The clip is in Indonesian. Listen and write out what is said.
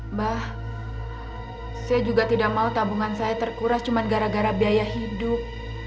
mbak saya juga tidak mau tabungan saya terkuras cuma gara gara biaya hidup